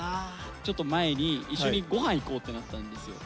ちょっと前に一緒にご飯行こうってなったんですよ。